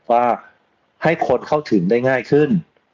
ว่าให้คนเข้าถึงได้ง่ายขึ้น